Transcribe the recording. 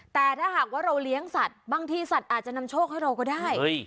แต่ถ้าหากว่าเราเลี้ยงสัตว์บางทีสัตว์อาจจะนำโชคให้เราก็ได้